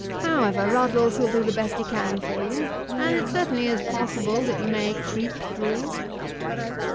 However, Ruddles will do the best he can for you, and it certainly is possible that you may creep through."